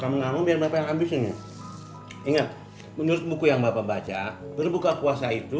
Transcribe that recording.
menanggung biar habis ini ingat menurut buku yang baca berbuka kuasa itu